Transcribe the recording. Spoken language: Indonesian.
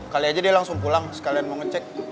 kali aja dia langsung pulang sekalian mau ngecek